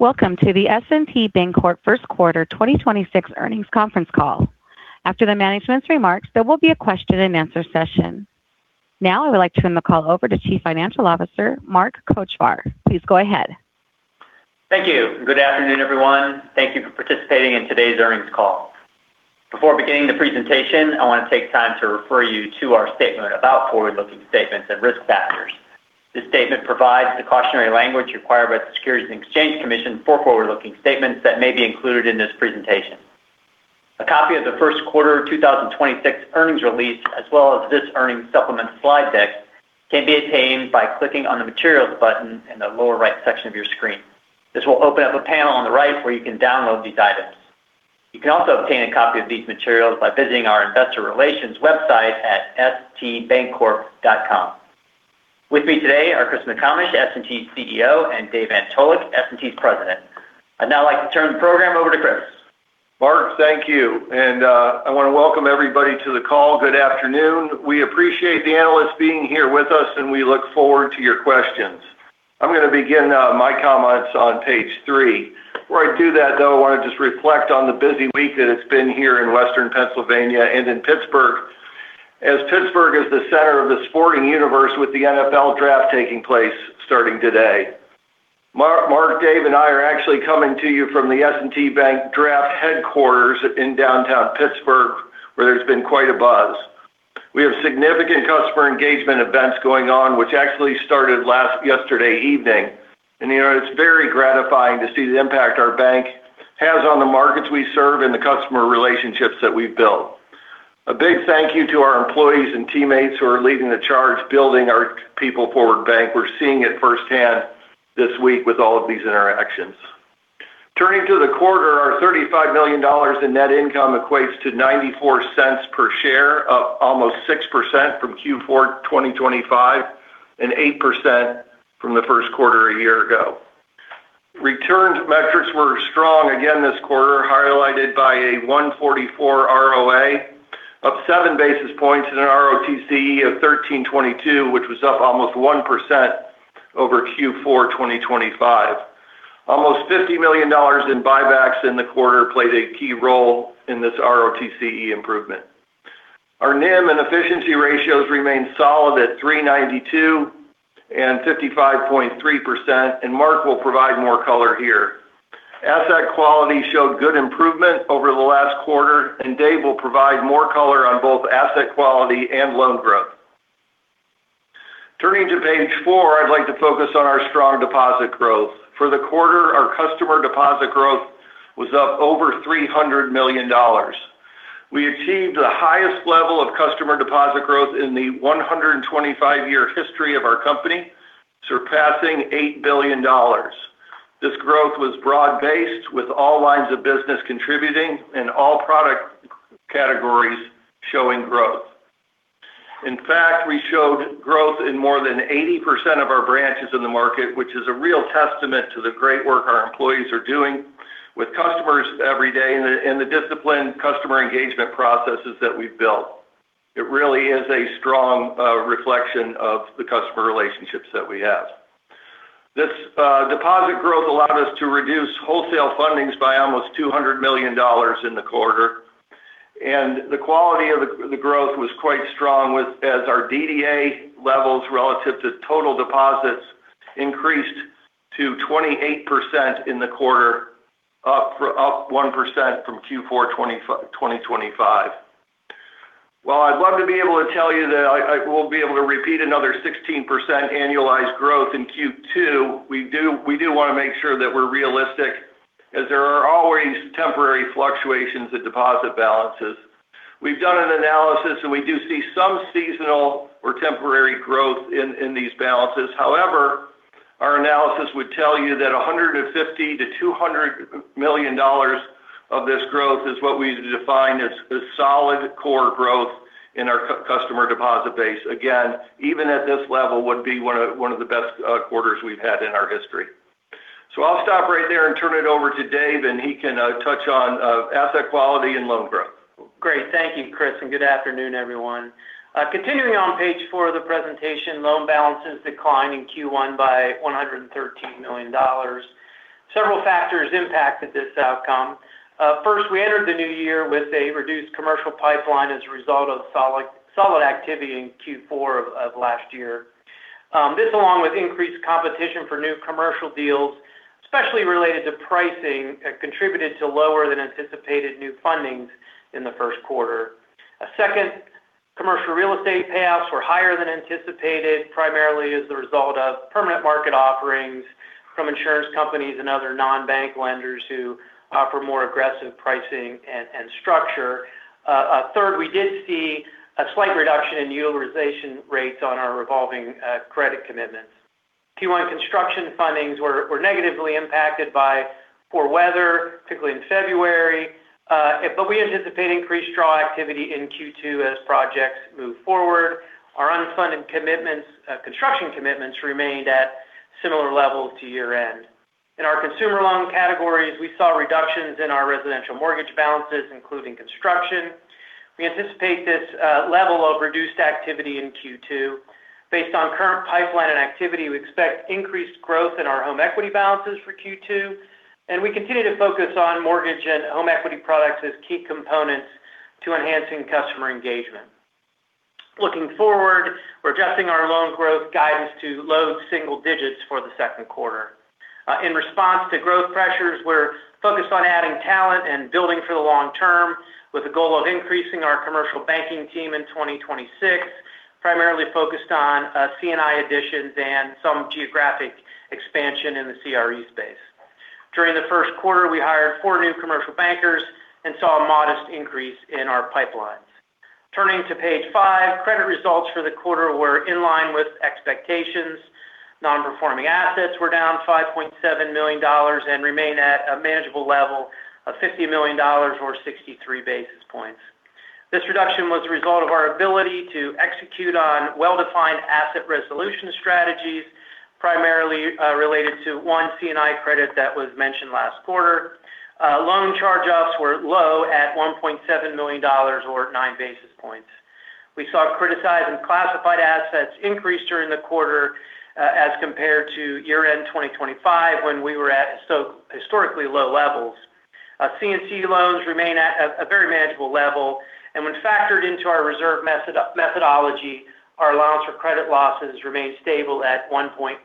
Welcome to the S&T Bancorp first quarter 2026 earnings conference call. After the management's remarks, there will be a question and answer session. Now, I would like to turn the call over to Chief Financial Officer Mark Kochvar. Please go ahead. Thank you. Good afternoon, everyone. Thank you for participating in today's earnings call. Before beginning the presentation, I want to take time to refer you to our statement about forward-looking statements and risk factors. This statement provides the cautionary language required by the Securities and Exchange Commission for forward-looking statements that may be included in this presentation. A copy of the first quarter 2026 earnings release, as well as this earnings supplement slide deck, can be obtained by clicking on the Materials button in the lower right section of your screen. This will open up a panel on the right where you can download these items. You can also obtain a copy of these materials by visiting our investor relations website at stbancorp.com. With me today are Chris McComish, S&T's CEO, and Dave Antolik, S&T's President. I'd now like to turn the program over to Chris. Mark, thank you. I want to welcome everybody to the call. Good afternoon. We appreciate the analysts being here with us, and we look forward to your questions. I'm going to begin my comments on page three. Before I do that, though, I want to just reflect on the busy week that it's been here in Western Pennsylvania and in Pittsburgh, as Pittsburgh is the center of the sporting universe with the NFL Draft taking place starting today. Mark, Dave, and I are actually coming to you from the S&T Bank draft headquarters in downtown Pittsburgh, where there's been quite a buzz. We have significant customer engagement events going on, which actually started yesterday evening. It's very gratifying to see the impact our bank has on the markets we serve and the customer relationships that we've built. A big thank you to our employees and teammates who are leading the charge building our people-forward bank. We're seeing it firsthand this week with all of these interactions. Turning to the quarter, our $35 million in net income equates to $0.94 per share, up almost 6% from Q4 2025 and 8% from the first quarter a year ago. Returns metrics were strong again this quarter, highlighted by a 1.44% ROA up seven basis points and an ROTCE of 13.22%, which was up almost 1% over Q4 2025. Almost $50 million in buybacks in the quarter played a key role in this ROTCE improvement. Our NIM and efficiency ratios remain solid at 3.92% and 55.3%, and Mark will provide more color here. Asset quality showed good improvement over the last quarter, and Dave will provide more color on both asset quality and loan growth. Turning to page four, I'd like to focus on our strong deposit growth. For the quarter, our customer deposit growth was up over $300 million. We achieved the highest level of customer deposit growth in the 125-year history of our company, surpassing $8 billion. This growth was broad-based, with all lines of business contributing and all product categories showing growth. In fact, we showed growth in more than 80% of our branches in the market, which is a real testament to the great work our employees are doing with customers every day and the disciplined customer engagement processes that we've built. It really is a strong reflection of the customer relationships that we have. This deposit growth allowed us to reduce wholesale fundings by almost $200 million in the quarter, and the quality of the growth was quite strong as our DDA levels relative to total deposits increased to 28% in the quarter, up 1% from Q4 2025. While I'd love to be able to tell you that I will be able to repeat another 16% annualized growth in Q2, we do want to make sure that we're realistic as there are always temporary fluctuations in deposit balances. We've done an analysis, and we do see some seasonal or temporary growth in these balances. However, our analysis would tell you that $150 million-$200 million of this growth is what we define as solid core growth in our customer deposit base. Again, even at this level would be one of the best quarters we've had in our history. I'll stop right there and turn it over to Dave, and he can touch on asset quality and loan growth. Great. Thank you, Chris, and good afternoon, everyone. Continuing on page four of the presentation, loan balances declined in Q1 by $113 million. Several factors impacted this outcome. First, we entered the new year with a reduced commercial pipeline as a result of solid activity in Q4 of last year. This, along with increased competition for new commercial deals, especially related to pricing, contributed to lower than anticipated new fundings in the first quarter. Second, commercial real estate payoffs were higher than anticipated, primarily as the result of permanent market offerings from insurance companies and other non-bank lenders who offer more aggressive pricing and structure. Third, we did see a slight reduction in utilization rates on our revolving credit commitments. Q1 construction fundings were negatively impacted by poor weather, particularly in February, but we anticipate increased draw activity in Q2 as projects move forward. Our unfunded construction commitments remained at similar levels to year-end. In our consumer loan categories, we saw reductions in our residential mortgage balances, including construction. We anticipate this level of reduced activity in Q2. Based on current pipeline and activity, we expect increased growth in our home equity balances for Q2, and we continue to focus on mortgage and home equity products as key components to enhancing customer engagement. Looking forward, we're adjusting our loan growth guidance to low single digits for the second quarter. In response to growth pressures, we're focused on adding talent and building for the long term with the goal of increasing our commercial banking team in 2026, primarily focused on C&I additions and some geographic expansion in the CRE space. During the first quarter, we hired four new commercial bankers and saw a modest increase in our pipelines. Turning to page five, credit results for the quarter were in line with expectations. Non-performing assets were down $5.7 million and remain at a manageable level of $50 million or 63 basis points. This reduction was a result of our ability to execute on well-defined asset resolution strategies, primarily related to one C&I credit that was mentioned last quarter. Loan charge-offs were low at $1.7 million or nine basis points. We saw criticized and classified assets increase during the quarter as compared to year-end 2025, when we were at historically low levels. C&I loans remain at a very manageable level and when factored into our reserve methodology, our allowance for credit losses remains stable at 1.17%.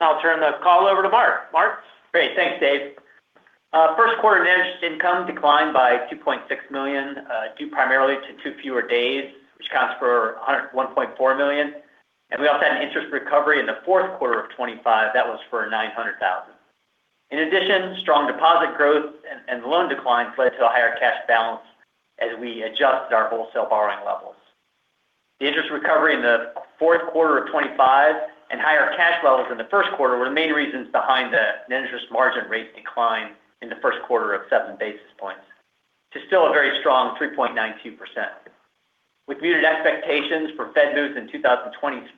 I'll turn the call over to Mark. Mark? Great. Thanks, Dave. First quarter net interest income declined by $2.6 million due primarily to two fewer days, which accounts for $1.4 million. We also had an interest recovery in the fourth quarter of 2025 that was for $900,000. In addition, strong deposit growth and loan declines led to a higher cash balance as we adjusted our wholesale borrowing levels. The interest recovery in the fourth quarter of 2025 and higher cash levels in the first quarter were the main reasons behind the net interest margin rate decline in the first quarter of seven basis points to still a very strong 3.92%. With muted expectations for Fed moves in 2026,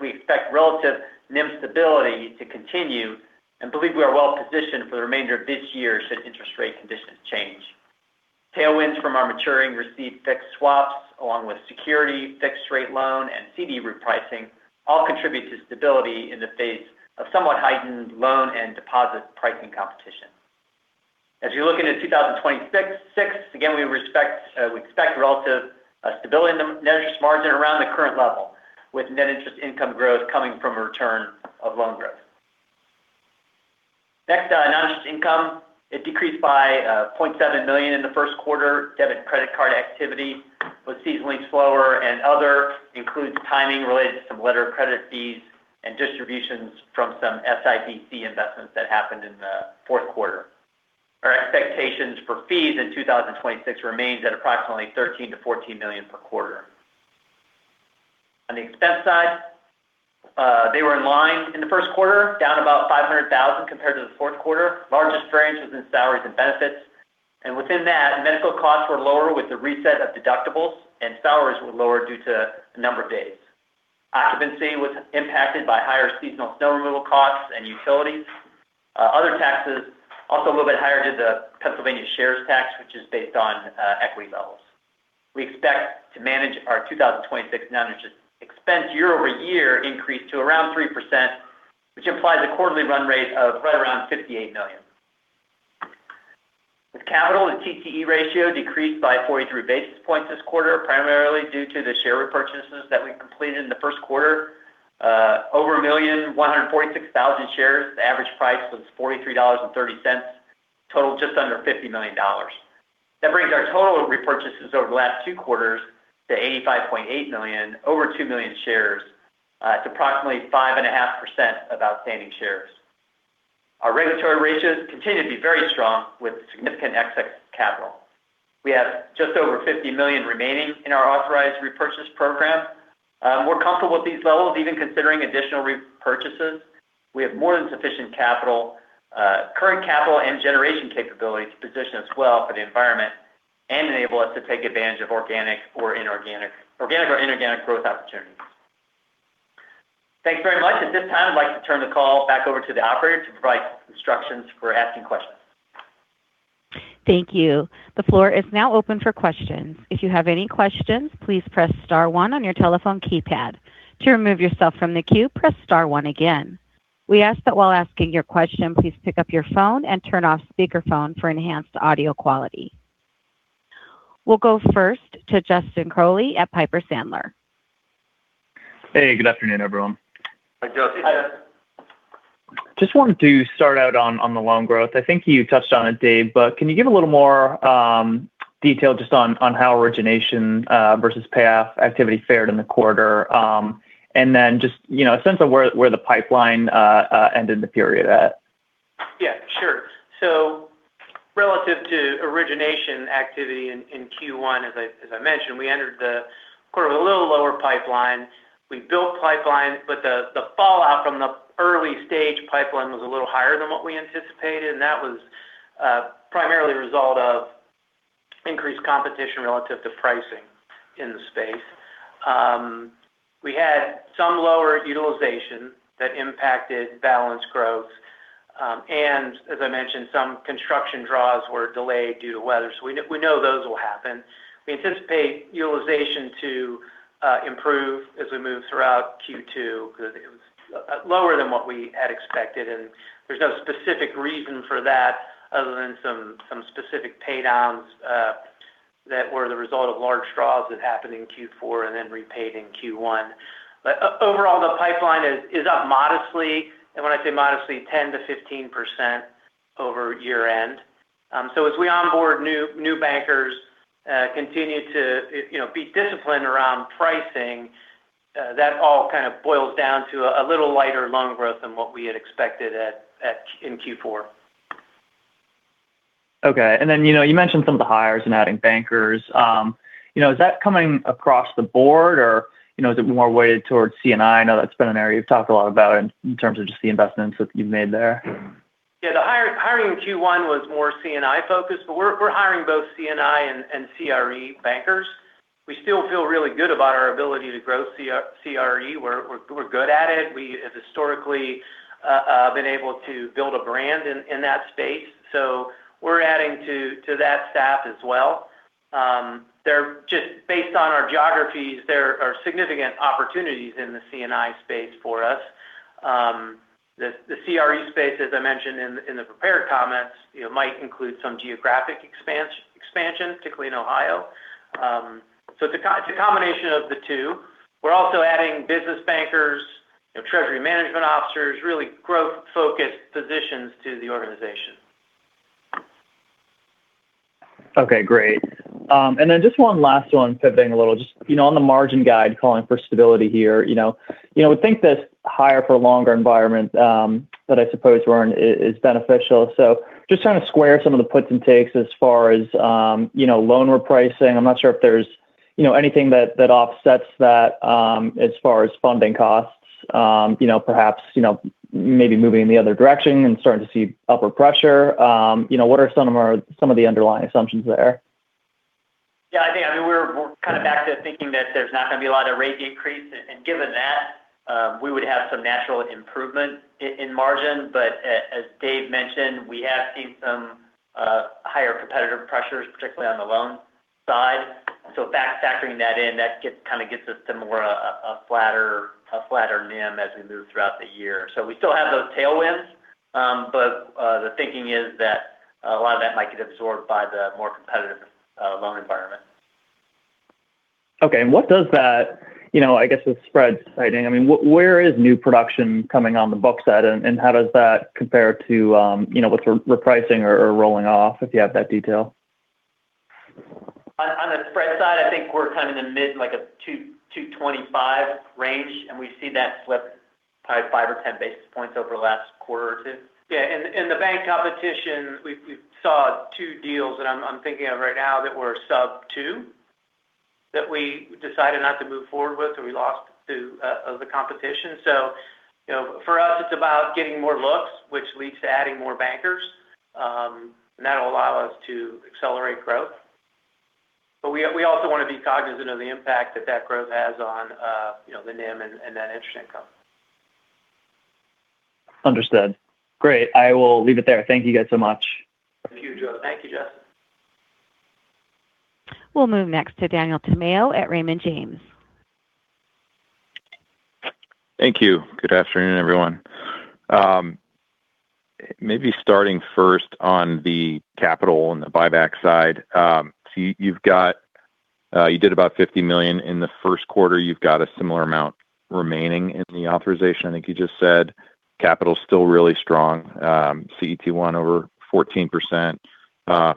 we expect relative NIM stability to continue and believe we are well positioned for the remainder of this year should interest rate conditions change. Tailwinds from our maturing received fixed swaps along with security, fixed rate loan, and CD repricing all contribute to stability in the face of somewhat heightened loan and deposit pricing competition. As you look into 2026, again, we expect relative stability in the net interest margin around the current level with net interest income growth coming from a return of loan growth. Next, non-interest income. It decreased by $0.7 million in the first quarter. Debit credit card activity was seasonally slower and other includes timing related to some letter of credit fees and distributions from some SBIC investments that happened in the fourth quarter. Our expectations for fees in 2026 remains at approximately $13 million-$14 million per quarter. On the expense side, they were in line in the first quarter, down about $500,000 compared to the fourth quarter. Largest range was in salaries and benefits. Within that, medical costs were lower with the reset of deductibles, and salaries were lower due to the number of days. Occupancy was impacted by higher seasonal snow removal costs and utilities. Other taxes, also a little bit higher due to the Pennsylvania shares tax, which is based on equity levels. We expect to manage our 2026 non-interest expense year-over-year increase to around 3%, which implies a quarterly run rate of right around $58 million. With capital and CET1 ratio decreased by 43 basis points this quarter, primarily due to the share repurchases that we completed in the first quarter, over 1,146,000 shares. The average price was $43.30, total just under $50 million. That brings our total repurchases over the last two quarters to $85.8 million, over 2 million shares at approximately 5.5% of outstanding shares. Our regulatory ratios continue to be very strong with significant excess capital. We have just over $50 million remaining in our authorized repurchase program. We're comfortable at these levels, even considering additional repurchases. We have more than sufficient capital, current capital and generation capability to position us well for the environment and enable us to take advantage of organic or inorganic growth opportunities. Thanks very much. At this time, I'd like to turn the call back over to the operator to provide instructions for asking questions. Thank you. The floor is now open for questions. If you have any questions, please press star one on your telephone keypad. To remove yourself from the queue, press star one again. We ask that while asking your question, please pick up your phone and turn off speakerphone for enhanced audio quality. We'll go first to Justin Crowley at Piper Sandler. Hey, good afternoon, everyone. Hi, Justin. Just wanted to start out on the loan growth. I think you touched on it, Dave, but can you give a little more detail just on how origination versus payoff activity fared in the quarter? Just a sense of where the pipeline ended the period at? Yeah, sure. Relative to origination activity in Q1, as I mentioned, we entered the quarter with a little lower pipeline. We built pipeline, but the fallout from the early stage pipeline was a little higher than what we anticipated, and that was primarily a result of increased competition relative to pricing in the space. We had some lower utilization that impacted balance growth. As I mentioned, some construction draws were delayed due to weather. We know those will happen. We anticipate utilization to improve as we move throughout Q2 because it was lower than what we had expected, and there's no specific reason for that other than some specific pay downs that were the result of large draws that happened in Q4 and then repaid in Q1. Overall, the pipeline is up modestly, and when I say modestly, 10%-15% over year-end. As we onboard new bankers, continue to be disciplined around pricing, that all kind of boils down to a little lighter loan growth than what we had expected in Q4. Okay. You mentioned some of the hires and adding bankers. Is that coming across the board or is it more weighted towards C&I? I know that's been an area you've talked a lot about in terms of just the investments that you've made there. Yeah. The hiring in Q1 was more C&I-focused, but we're hiring both C&I and CRE bankers. We still feel really good about our ability to grow CRE. We're good at it. We have historically been able to build a brand in that space. We're adding to that staff as well. Just based on our geographies, there are significant opportunities in the C&I space for us. The CRE space, as I mentioned in the prepared comments, might include some geographic expansion to Cleveland, Ohio. It's a combination of the two. We're also adding business bankers, treasury management officers, really growth-focused positions to the organization. Okay, great. Just one last one, pivoting a little. Just on the margin guide, calling for stability here. I would think this higher for longer environment that I suppose, wherein, it's beneficial. Just trying to square some of the puts and takes as far as loan repricing. I'm not sure if there's anything that offsets that as far as funding costs. Perhaps maybe moving in the other direction and starting to see upward pressure. What are some of the underlying assumptions there? Yeah. I think we're kind of back to thinking that there's not going to be a lot of rate increase. Given that, we would have some natural improvement in margin. As Dave mentioned, we have seen some higher competitive pressures, particularly on the loan side. Back factoring that in, that kind of gets us to more of a flatter NIM as we move throughout the year. We still have those tailwinds. The thinking is that a lot of that might get absorbed by the more competitive loan environment. Okay. What does that, I guess the spread tightening. Where is new production coming on the book side, and how does that compare to with the repricing or rolling off, if you have that detail? On the spread side, I think we're kind of in the mid 225 range, and we've seen that slip probably five basis points or 10 basis points over the last quarter or two. Yeah. In the bank competition, we saw two deals that I'm thinking of right now that were sub two that we decided not to move forward with or we lost to the competition. For us, it's about getting more looks, which leads to adding more bankers. That'll allow us to accelerate growth. We also want to be cognizant of the impact that growth has on the NIM and net interest income. Understood. Great. I will leave it there. Thank you guys so much. Thank you, Justin. We'll move next to Daniel Tamayo at Raymond James. Thank you. Good afternoon, everyone. Maybe starting first on the capital and the buyback side. You did about $50 million in the first quarter. You've got a similar amount remaining in the authorization. I think you just said capital's still really strong. CET1 over 14%,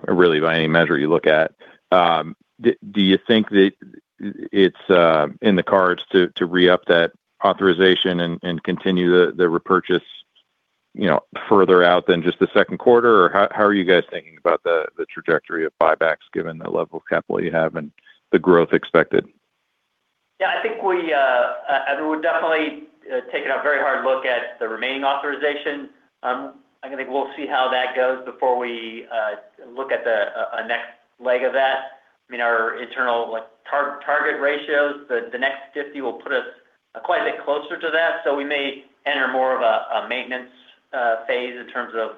really by any measure you look at. Do you think that it's in the cards to re-up that authorization and continue the repurchase further out than just the second quarter? Or how are you guys thinking about the trajectory of buybacks given the level of capital you have and the growth expected? Yeah, I think we've definitely taken a very hard look at the remaining authorization. I think we'll see how that goes before we look at a next leg of that. Our internal target ratios, the next 50 will put us quite a bit closer to that. We may enter more of a maintenance phase in terms of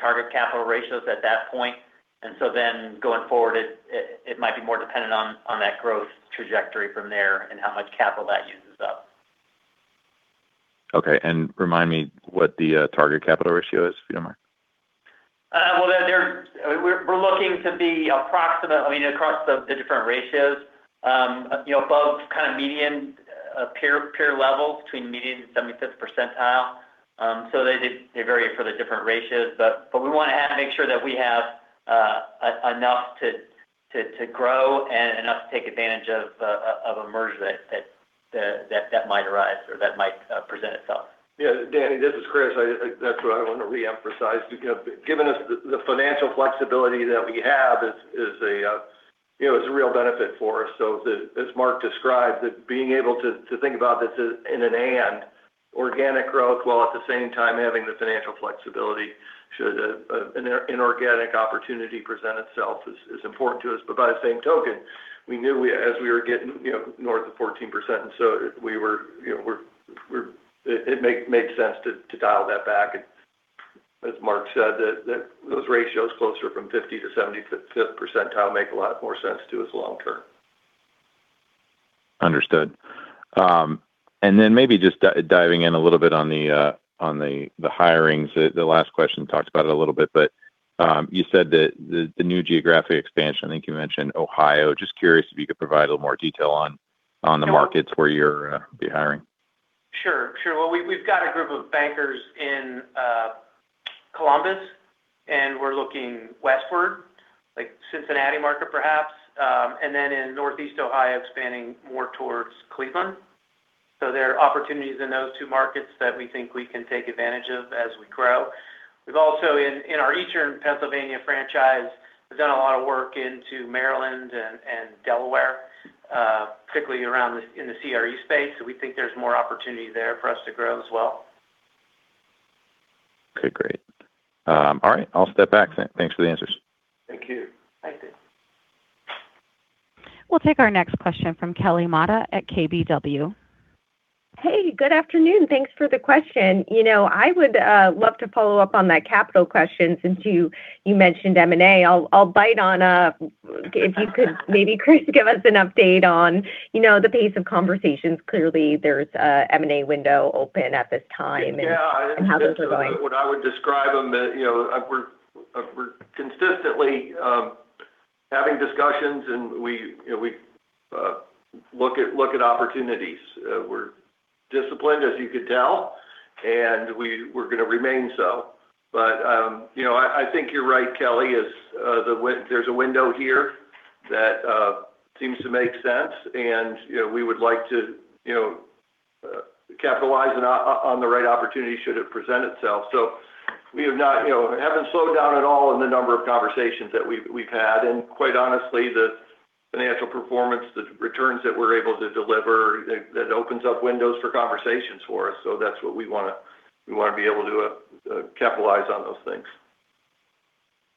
target capital ratios at that point. Going forward, it might be more dependent on that growth trajectory from there and how much capital that uses up. Okay. Remind me what the target capital ratio is, if you don't mind. We're looking to be approximate across the different ratios above median peer levels between median and 75th percentile. They vary for the different ratios. We want to make sure that we have enough to grow and enough to take advantage of a merger that might arise or that might present itself. Yeah. Danny, this is Chris. That's what I want to reemphasize. Given the financial flexibility that we have is a real benefit for us. As Mark described, being able to think about this in [inorganic] and organic growth, while at the same time having the financial flexibility should an inorganic opportunity present itself is important to us. By the same token, we knew as we were getting north of 14%, it made sense to dial that back. As Mark said, those ratios closer to 50th percentile to 75th percentile make a lot more sense to us long-term. Understood. Then maybe just diving in a little bit on the hirings. The last question talked about it a little bit, but you said that the new geographic expansion, I think you mentioned Ohio. Just curious if you could provide a little more detail on the markets where you'll be hiring. Sure. Well, we've got a group of bankers in Columbus, and we're looking westward, like Cincinnati market perhaps, and then in Northeast Ohio, expanding more towards Cleveland. There are opportunities in those two markets that we think we can take advantage of as we grow. We've also, in our Eastern Pennsylvania franchise, have done a lot of work into Maryland and Delaware, particularly around in the CRE space. We think there's more opportunity there for us to grow as well. Okay, great. All right, I'll step back. Thanks for the answers. Thank you. Thank you. We'll take our next question from Kelly Motta at KBW. Hey, good afternoon. Thanks for the question. I would love to follow up on that capital question since you mentioned M&A. I'll bite on if you could, maybe Chris, give us an update on the pace of conversations. Clearly there's a M&A window open at this time and how those are going. Yeah. What I would describe them, we're consistently having discussions, and we look at opportunities. We're disciplined, as you could tell, and we're going to remain so. I think you're right, Kelly. There's a window here that seems to make sense, and we would like to capitalize on the right opportunity should it present itself. We haven't slowed down at all in the number of conversations that we've had. And quite honestly, the financial performance, the returns that we're able to deliver, that opens up windows for conversations for us. That's what we want to be able to capitalize on those things.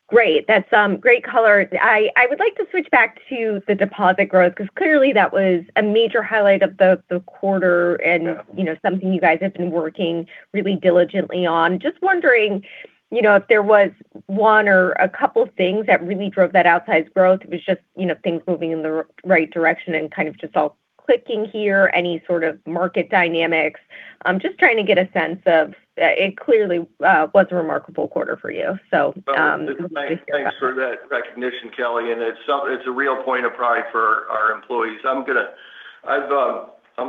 Great. That's great color. I would like to switch back to the deposit growth because clearly that was a major highlight of the quarter and, Yeah Something you guys have been working really diligently on. Just wondering if there was one or a couple things that really drove that outsized growth. It was just things moving in the right direction and kind of just all clicking here, any sort of market dynamics. Just trying to get a sense of it. Clearly it was a remarkable quarter for you. Thanks for that recognition, Kelly, and it's a real point of pride for our employees. I'm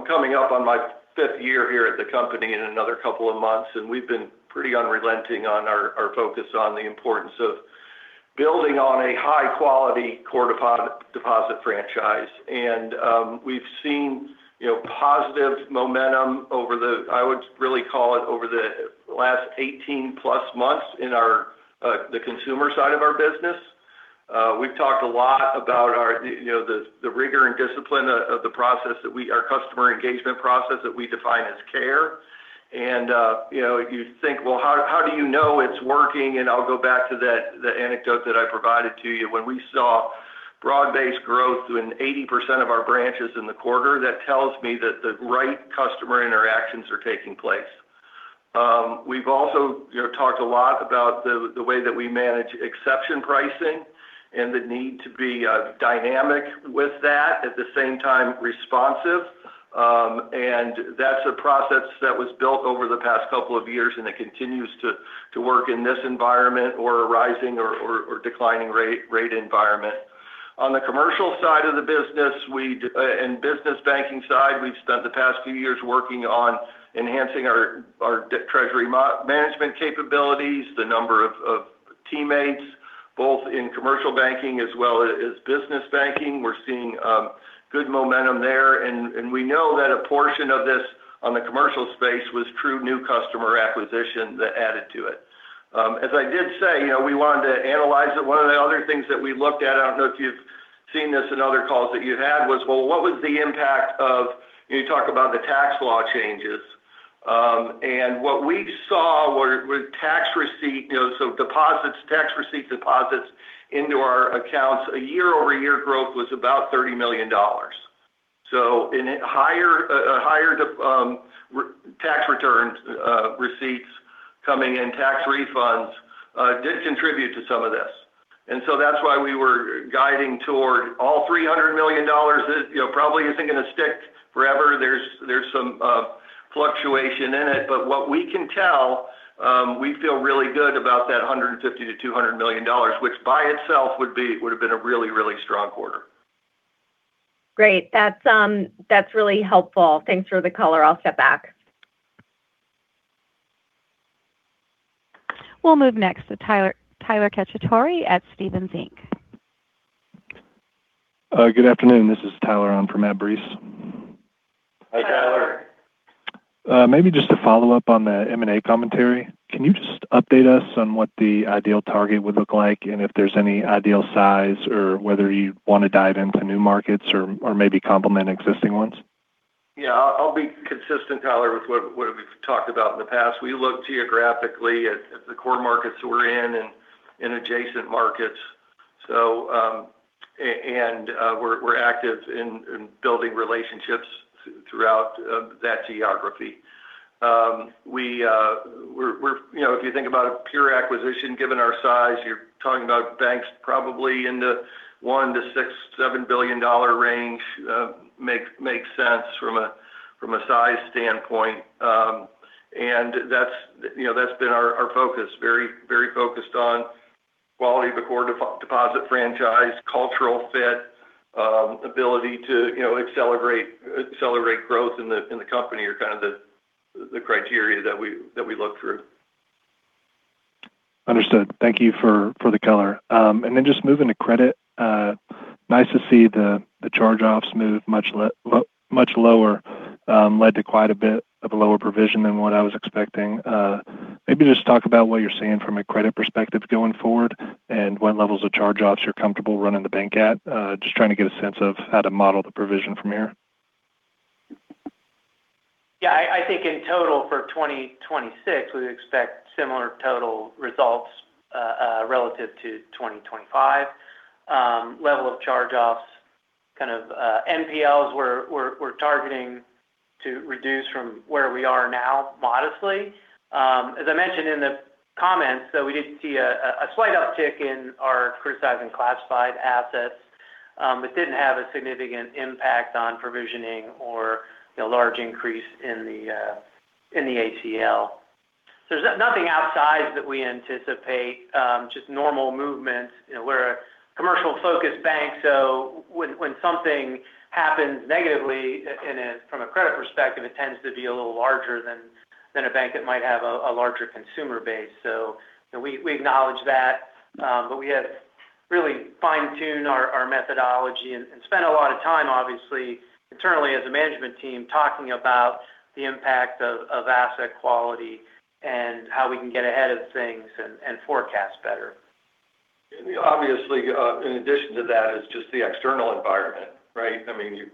coming up on my fifth year here at the company in another couple of months, and we've been pretty unrelenting on our focus on the importance of building on a high-quality core deposit franchise. We've seen positive momentum over the, I would really call it, over the last 18-plus months in the consumer side of our business. We've talked a lot about the rigor and discipline of our customer engagement process that we define as CARE. You think, "Well, how do you know it's working?" I'll go back to the anecdote that I provided to you when we saw broad-based growth in 80% of our branches in the quarter. That tells me that the right customer interactions are taking place. We've also talked a lot about the way that we manage exception pricing and the need to be dynamic with that, at the same time, responsive. That's a process that was built over the past couple of years, and it continues to work in this environment or a rising or declining rate environment. On the commercial side of the business and business banking side, we've spent the past few years working on enhancing our treasury management capabilities. The number of teammates both in commercial banking as well as business banking, we're seeing good momentum there. We know that a portion of this on the commercial space was true new customer acquisition that added to it. As I did say, we wanted to analyze it. One of the other things that we looked at, I don't know if you've seen this in other calls that you've had, was, well, what was the impact of when you talk about the tax law changes. What we saw with tax receipt, so deposits, tax receipt deposits into our accounts, a year-over-year growth was about $30 million. In higher tax returns receipts coming in, tax refunds did contribute to some of this. That's why we were guiding toward all $300 million. Probably isn't going to stick forever. There's some fluctuation in it. What we can tell, we feel really good about that $150 million-$200 million, which by itself would have been a really, really strong quarter. Great. That's really helpful. Thanks for the color. I'll step back. We'll move next to Tyler Cacciatori at Stephens Inc. Good afternoon. This is Tyler on for Matt Breese. Hi, Tyler. Hi, Tyler. Maybe just to follow up on the M&A commentary, can you just update us on what the ideal target would look like? If there's any ideal size or whether you want to dive into new markets or maybe complement existing ones? Yeah, I'll be consistent, Tyler, with what we've talked about in the past. We look geographically at the core markets we're in and adjacent markets. We're active in building relationships throughout that geography. If you think about a pure acquisition, given our size, you're talking about banks probably in the $1 billion-$6 billion, $7 billion range makes sense from a size standpoint. That's been our focus. Very focused on quality of the core deposit franchise, cultural fit, ability to accelerate growth in the company are kind of the criteria that we look through. Understood. Thank you for the color. Just moving to credit. Nice to see the charge-offs move much lower, led to quite a bit of a lower provision than what I was expecting. Maybe just talk about what you're seeing from a credit perspective going forward and what levels of charge-offs you're comfortable running the bank at. Just trying to get a sense of how to model the provision from here. Yeah, I think in total for 2026, we expect similar total results relative to 2025, level of charge-offs, kind of NPLs we're targeting to reduce from where we are now modestly. As I mentioned in the comments, though, we did see a slight uptick in our criticized and classified assets. It didn't have a significant impact on provisioning or a large increase in the ACL. There's nothing outside that we anticipate, just normal movements. We're a commercial-focused bank, so when something happens negatively from a credit perspective, it tends to be a little larger than a bank that might have a larger consumer base. We acknowledge that. We have really fine-tuned our methodology and spent a lot of time, obviously, internally as a management team, talking about the impact of asset quality and how we can get ahead of things and forecast better. Obviously, in addition to that is just the external environment, right? You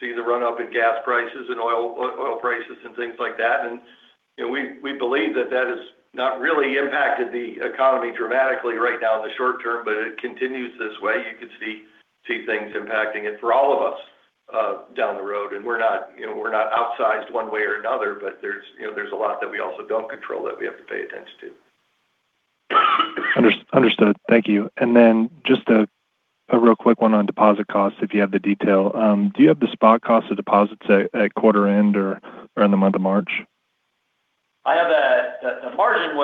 see the run-up in gas prices and oil prices and things like that. We believe that that has not really impacted the economy dramatically right now in the short term, but it continues this way. You could see things impacting it for all of us down the road. We're not outsized one way or another, but there's a lot that we also don't control that we have to pay attention to. Understood. Thank you. Just a real quick one on deposit costs, if you have the detail. Do you have the spot cost of deposits at quarter end or in the month of March? The margin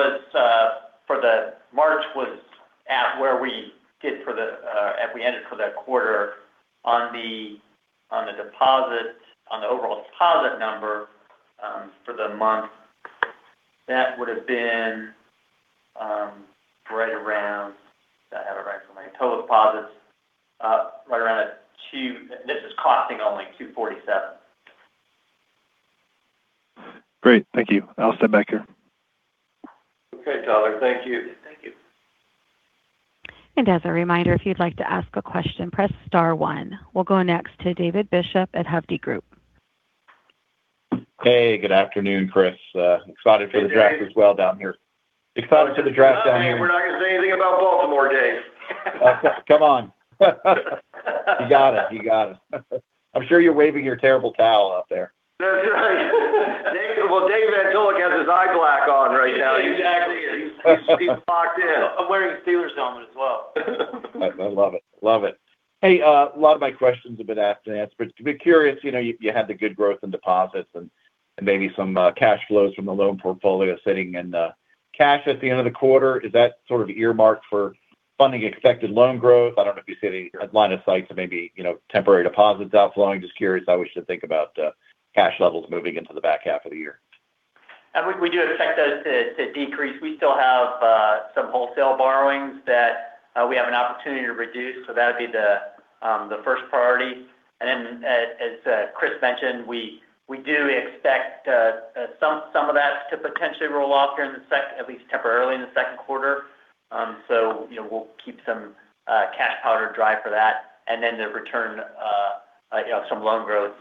for March was at where we ended for that quarter on the overall deposit number, for the month. That would've been right around. If I have it right, total deposits, right around at two. This is costing only 247. Great. Thank you. I'll stand back here. Okay. Tyler, thank you. Thank you. As a reminder, if you'd like to ask a question, press star one. We'll go next to David Bishop at Hovde Group. Hey, good afternoon, Chris. Excited for Hey, Dave. The draft as well down here. Excited for the draft down here. We're not going to say anything about Baltimore, Dave. Come on. You got it. I'm sure you're waving your Terrible Towel out there. That's right. Well, Dave Antolik has his eye black on right now. He exactly is. He's locked in. I'm wearing the Steelers helmet as well. I love it. Hey, a lot of my questions have been asked and answered. Just curious, you had good growth in deposits and maybe some cash flows from the loan portfolio sitting in cash at the end of the quarter. Is that sort of earmarked for funding expected loan growth? I don't know if you see any line of sight of maybe temporary deposits outflowing. Just curious how we should think about cash levels moving into the back half of the year. We do expect those to decrease. We still have some wholesale borrowings that we have an opportunity to reduce. That'd be the first priority. As Chris mentioned, we do expect some of that to potentially roll off at least temporarily in the second quarter. We'll keep some powder dry for that and then the return of some loan growth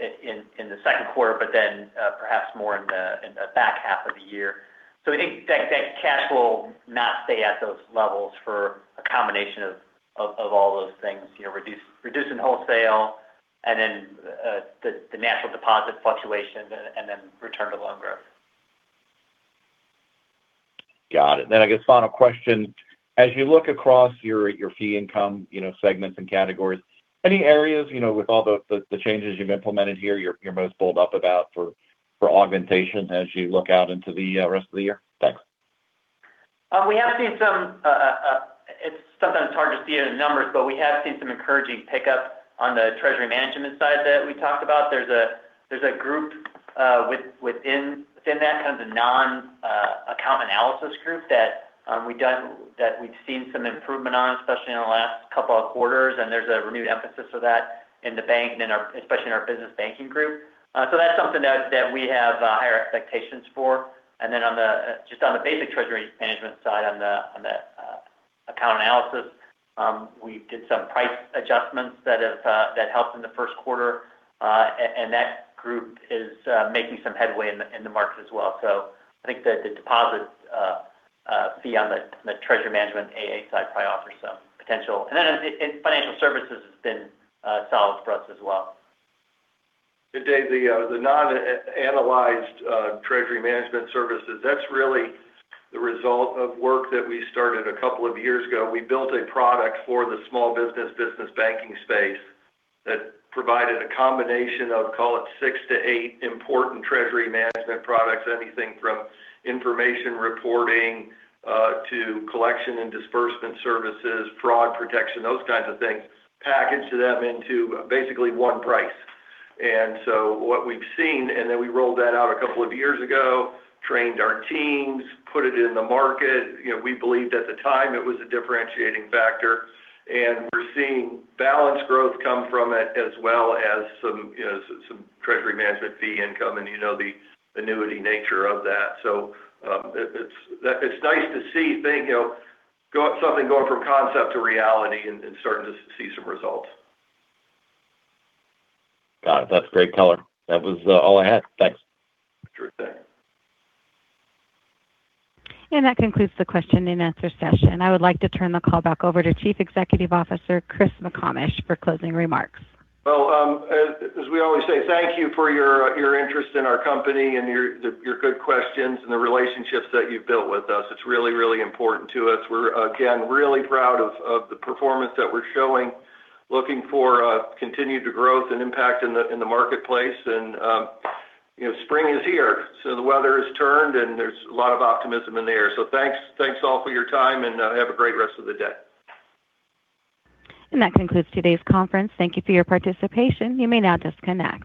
in the second quarter, but then perhaps more in the back half of the year. I think that cash will not stay at those levels for a combination of all those things, reducing wholesale and then the natural deposit fluctuations and then return to loan growth. Got it. I guess final question, as you look across your fee income segments and categories, any areas with all the changes you've implemented here, you're most [pulled up] about for augmentation as you look out into the rest of the year? Thanks. It's sometimes hard to see it in numbers, but we have seen some encouraging pickup on the treasury management side that we talked about. There's a group within that, kind of the non-account analysis group that we've seen some improvement on, especially in the last couple of quarters, and there's a renewed emphasis of that in the bank and especially in our business banking group. That's something that we have higher expectations for. Just on the basic treasury management side, on the account analysis. We did some price adjustments that helped in the first quarter, and that group is making some headway in the market as well. I think that the deposits fee on the treasury management AA side probably offers some potential. Financial services has been solid for us as well. Dave, the non-analyzed treasury management services, that's really the result of work that we started a couple of years ago. We built a product for the small business banking space that provided a combination of, call it six-eight important treasury management products, anything from information reporting to collection and disbursement services, fraud protection, those kinds of things, packaged them into basically one price. What we've seen, and then we rolled that out a couple of years ago, trained our teams, put it in the market. We believed at the time it was a differentiating factor. We're seeing balance growth come from it, as well as some treasury management fee income and the annuity nature of that. It's nice to see something going from concept to reality and starting to see some results. Got it. That's great color. That was all I had. Thanks. Sure thing. That concludes the question and answer session. I would like to turn the call back over to Chief Executive Officer, Chris McComish, for closing remarks. Well, as we always say, thank you for your interest in our company and your good questions and the relationships that you've built with us. It's really, really important to us. We're again, really proud of the performance that we're showing, looking for continued growth and impact in the marketplace. Spring is here, so the weather has turned, and there's a lot of optimism in the air. Thanks all for your time, and have a great rest of the day. That concludes today's conference. Thank you for your participation. You may now disconnect.